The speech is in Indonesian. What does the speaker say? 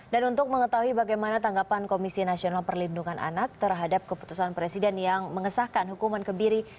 dan untuk mengetahui bagaimana tanggapan komisi nasional perlindungan anak terhadap keputusan presiden yang mengesahkan hukuman kebiri